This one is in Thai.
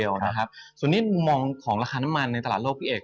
ส่วนสุดที่เราอุ้มนะคะส่วนตัำมั่งของราคาน้ำมันในตลาดโลกพี่เอก